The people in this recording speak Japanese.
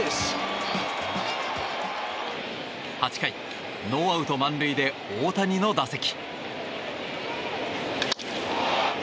８回、ノーアウト満塁で大谷の打席。